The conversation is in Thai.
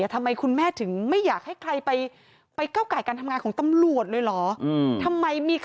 ทำไมคุณแม่ถึงไม่อยากให้ใครไปก้าวไก่การทำงานของตำรวจเลยเหรอ